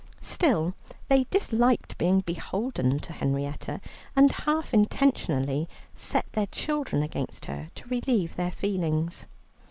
Still, they disliked being beholden to Henrietta, and, half intentionally, set their children against her to relieve their feelings.